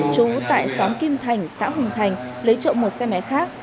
chú tại xóm kim thành xã huỳnh thành lấy trộm một xe máy khác